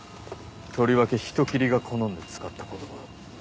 とりわけ人斬りが好んで使った言葉。